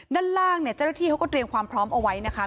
ด้านล่างเนี่ยเจ้าหน้าที่เขาก็เตรียมความพร้อมเอาไว้นะคะ